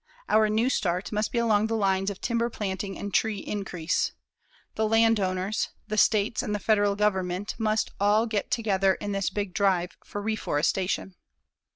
Our new start must be along the lines of timber planting and tree increase. The landowners, the States and the Federal Government must all get together in this big drive for reforestation.